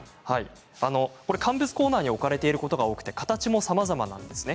乾物コーナーに置かれていることが多くて形もさまざまなんですね。